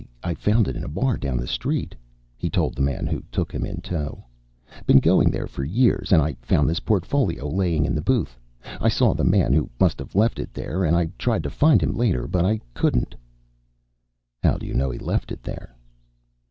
"I found it in a bar down the street," he told the man who took him in tow. "Been going there for years. And I found this portfolio laying in the booth. I saw the man who must have left it there and I tried to find him later, but I couldn't." "How do you know he left it there?"